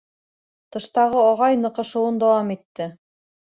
— Тыштағы ағай ныҡышыуын дауам итте.